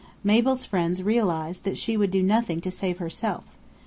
Mabel's friends realized that she would do nothing to save herself.